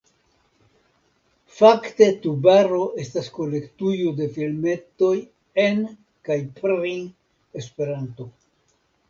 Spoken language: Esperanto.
Fakte Tubaro estas kolektujo de filmetoj en kaj pri Esperanto.